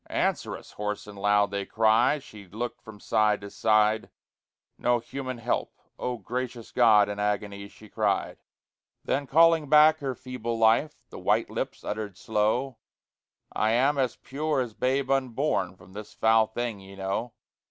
"Answer us!" hoarse and loud they cry; She looked from side to side No human help "Oh, gracious God!" In agony she cried. Then, calling back her feeble life, The white lips uttered slow, "I am as pure as babe unborn From this foul thing, ye know.